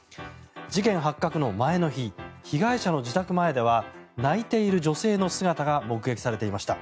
事件発覚の前の日被害者の自宅前では泣いている女性の姿が目撃されていました。